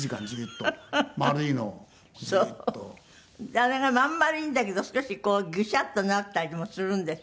あれがまん丸いんだけど少しグシャッとなったりもするんですよね。